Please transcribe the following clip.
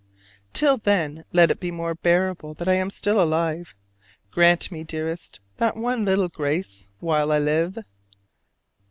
Till then let it be more bearable that I am still alive: grant me, dearest, that one little grace while I live!